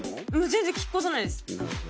全然引っ越さないです。